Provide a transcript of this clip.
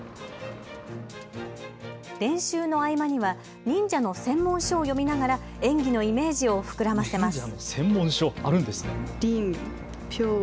練習の合間には忍者の専門書を読みながら演技のイメージを膨らませます。